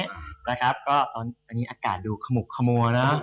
นะครับก็ตอนนี้อากาศดูขมุกขมัวเนอะ